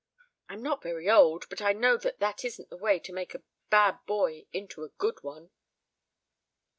I'm not very old, but I know that that isn't the way to make a bad boy into a good one."